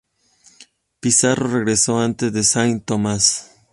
Pissarro regresó antes a Saint Thomas.